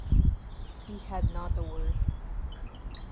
He had not a word.